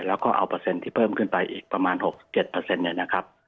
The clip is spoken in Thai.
แล้วก็เอาเปอร์เซ็นต์ที่เพิ่มขึ้นไปอีกประมาณ๖๗เนี่ยนะครับ